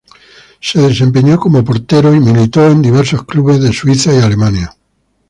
Se desempeñó como portero y militó en diversos clubes de Suiza y Alemania.